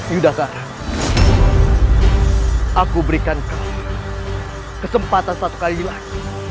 yudhakar aku berikan kau kesempatan satu kali lagi